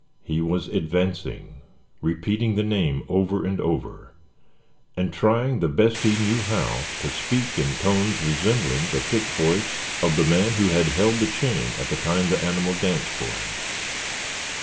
He was advancing, repeating the name over and over; and trying the best he knew how to speak in tones resembling the thick voice of the man who had held the chain at the time the animal danced for him.